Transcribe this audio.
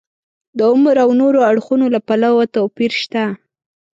د عمر او نورو اړخونو له پلوه توپیر شته.